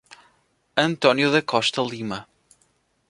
Antônio da Costa Lima